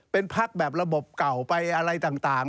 เป็นพักแบบระบบเก่าไปอะไรต่าง